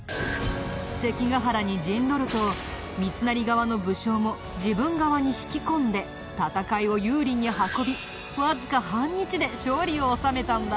関ヶ原に陣取ると三成側の武将も自分側に引き込んで戦いを有利に運びわずか半日で勝利を収めたんだ。